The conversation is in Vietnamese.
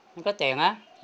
không có tiền á